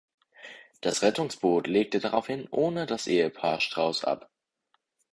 Das Rettungsboot legte daraufhin ohne das Ehepaar Straus ab.